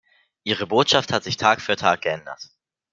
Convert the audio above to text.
Ihre Botschaft hat sich Tag für Tag geändert.